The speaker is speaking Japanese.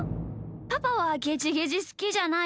パパはゲジゲジすきじゃないよね？